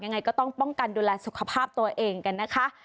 ยังไงก็ต้องป้องกันดูแลสุขภาพตัวเองกันนะคะ